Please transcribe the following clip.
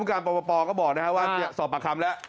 อ่าธมการปปปก็บอกนะครับว่าสอบปากคำแล้ว